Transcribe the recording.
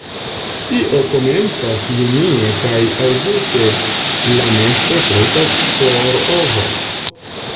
Tio komencas junie kaj aŭguste la nesto pretas por ovo.